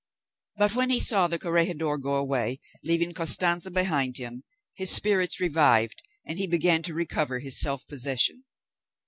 But when he saw the corregidor go away, leaving Costanza behind him, his spirits revived and he began to recover his self possession.